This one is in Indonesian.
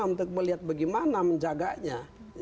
untuk melihat bagaimana menjaganya